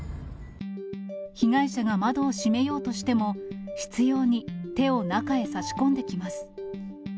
被害者が窓を閉めようとしても、執ように手を中へ差し込んできます。